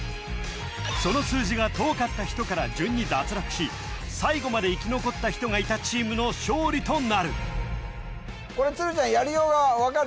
その数字が遠かった人から順に脱落し最後まで生き残った人がいたチームの勝利となるこれ鶴ちゃんやりようは分かる？